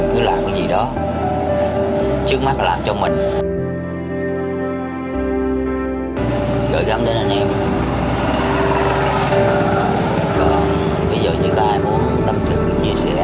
cứ làm cái gì đó trước mắt làm cho mình rồi gặp lên anh em bây giờ những ai muốn tâm sự chia sẻ